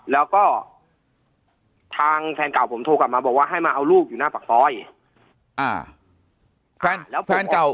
แล้วก็ทางแฟนเก่าผมโทรกลับมาบอกว่าให้มาเอาลูกอยู่หน้าปากซอยแล้วแฟนเก่า